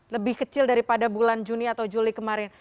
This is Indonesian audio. lebih kecil daripada bulan juni atau juli kemarin